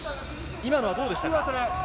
今のはどうでしたか？